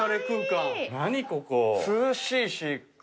涼しいし。